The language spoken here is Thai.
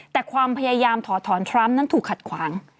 แต่ความพยายามถอดถอนทรัมป์นั้นถูกขัดขวาง